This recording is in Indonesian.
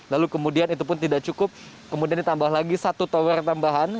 lalu kemudian itu pun tidak cukup kemudian ditambah lagi satu tower tambahan